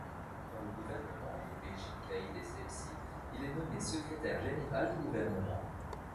Dans le gouvernement de Béji Caïd Essebsi, il est nommé secrétaire général du gouvernement.